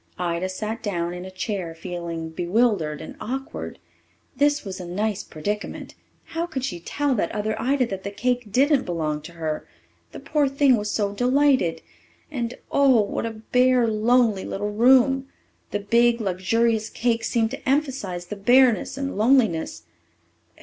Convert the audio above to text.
Ida sat down in a chair, feeling bewildered and awkward. This was a nice predicament! How could she tell that other Ida that the cake didn't belong to her? The poor thing was so delighted. And, oh, what a bare, lonely little room! The big, luxurious cake seemed to emphasize the bareness and loneliness.